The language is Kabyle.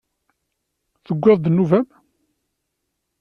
Tewweḍ-d nnuba-m!